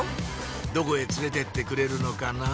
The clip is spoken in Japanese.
どこへ連れてってくれるのかな？